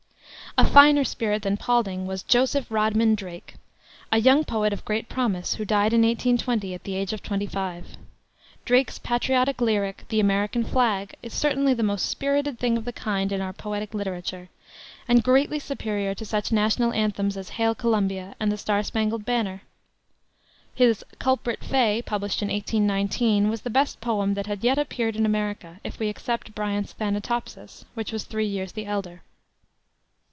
A finer spirit than Paulding was Joseph Rodman Drake, a young poet of great promise, who died in 1820, at the age of twenty five. Drake's patriotic lyric, the American Flag, is certainly the most spirited thing of the kind in our poetic literature, and greatly superior to such national anthems as Hail Columbia and the Star Spangled Banner. His Culprit Fay, published in 1819, was the best poem that had yet appeared in America, if we except Bryant's Thanatopsis, which was three years the elder.